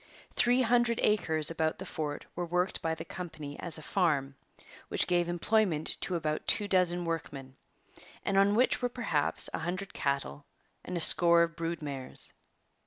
Three hundred acres about the fort were worked by the company as a farm, which gave employment to about two dozen workmen, and on which were perhaps a hundred cattle and a score of brood mares.